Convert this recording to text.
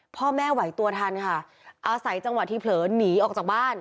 พ่อแม่ไหวตัวทันค่ะอาศัยจังหวะที่เผลอหนีออกจากบ้าน